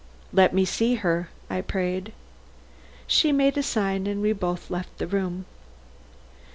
"Let me see her," I prayed. She made a sign and we both left the room.